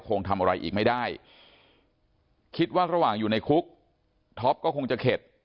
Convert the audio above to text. คงทำอะไรอีกไม่ได้คิดว่าระหว่างอยู่ในคุกท็อปก็คงจะเข็ด